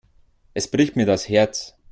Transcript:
Es bricht mir das Herz.